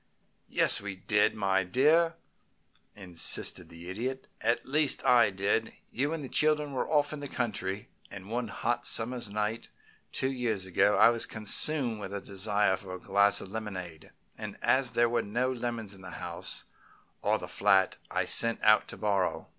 "Yes, we did, my dear," insisted the Idiot. "At least I did. You and the children were off in the country, and one hot summer's night, two years ago, I was consumed with a desire for a glass of lemonade, and as there were no lemons in the house, or the flat, I sent out to borrow.